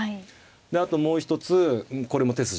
あともう一つこれも手筋。